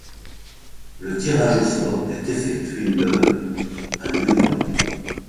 Le tirage au sort est effectué le à New York.